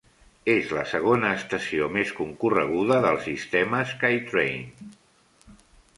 És la segona estació més concorreguda del sistema SkyTrain.